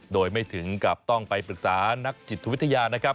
โดยไม่ถึงกับต้องไปปรึกษานักจิตวิทยานะครับ